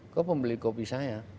kau pembeli kopi saya